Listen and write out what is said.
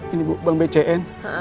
ini bu bank bcn